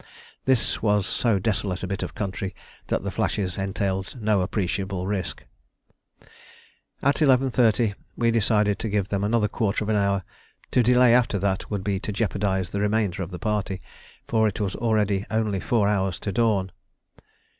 This was so desolate a bit of country that the flashes entailed no appreciable risk. At 11.30 we decided to give them another quarter of an hour; to delay after that would be to jeopardise the remainder of the party, for it was already only four hours to dawn.